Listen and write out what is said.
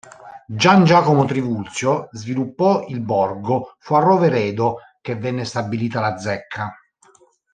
Gian Giacomo Trivulzio sviluppò il borgo fu a Roveredo che venne stabilita la zecca.